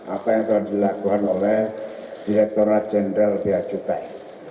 apa yang telah dilakukan oleh direkturat jenderal bia cukai